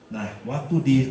nah waktu di quencing